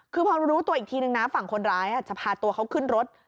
คือพอรู้ตัวอีกทีนึงนะฝั่งคนร้ายจะพาตัวเขาขึ้นรถ